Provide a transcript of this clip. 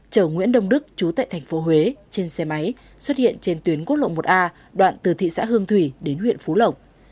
trên xe máy xuất hiện trên tuyến quốc lộ một a đoạn từ thị xã hương thủy đến huyện phú lộng